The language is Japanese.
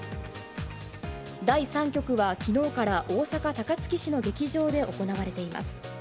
第３局は、きのうから大阪・高槻市の劇場で行われています。